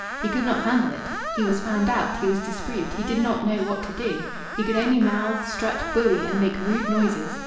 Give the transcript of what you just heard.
He could not handle it. He was found out. He was disproved, He did not know what to do. He could only mouth, strut, bully, and make rude noises.